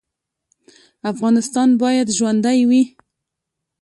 افغانستان باید ژوندی وي